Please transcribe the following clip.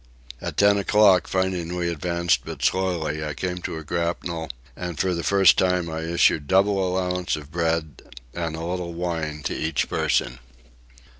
At ten o'clock, finding we advanced but slowly, I came to a grapnel and for the first time I issued double allowance of bread and a little wine to each person.